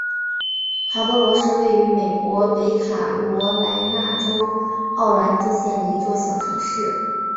卡勃罗是位于美国北卡罗来纳州奥兰治县的一座小城市。